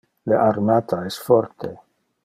Le armata es forte.